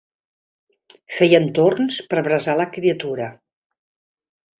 Feien torns per bressar la criatura.